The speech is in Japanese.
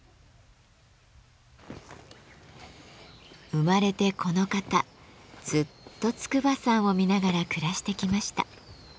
生まれてこの方ずっと筑波山を見ながら暮らしてきました。